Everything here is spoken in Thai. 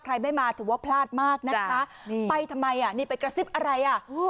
ไม่มาถือว่าพลาดมากนะคะไปทำไมอ่ะนี่ไปกระซิบอะไรอ่ะ